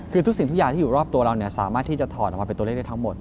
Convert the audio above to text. คือทุกสิ่งทุกอย่างที่อยู่รอบตัวเราสามารถที่จะถอดออกมาเป็นตัวเลขได้ทั้งหมด